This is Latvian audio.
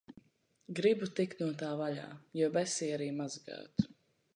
Gribu tik no tā vaļā, jo besī arī mazgāt.